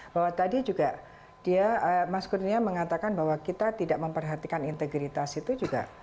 bahwa tadi juga dia mas kurnia mengatakan bahwa kita tidak memperhatikan integritas itu juga